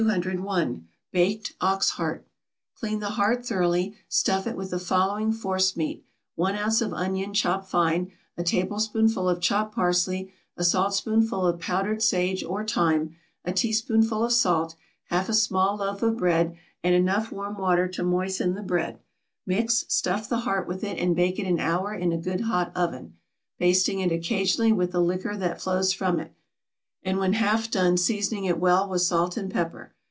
=Baked Ox heart.= Clean the heart thoroughly; stuff it with the following forcemeat; one ounce of onion chopped fine, a tablespoonful of chopped parsley, a saltspoonful of powdered sage or thyme, a teaspoonful of salt, half a small loaf of bread, and enough warm water to moisten the bread; mix, stuff the heart with it, and bake it an hour in a good hot oven, basting it occasionally with the liquor that flows from it, and when half done seasoning it well with salt and pepper.